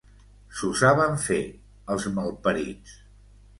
S'ho saben fer, els malparits!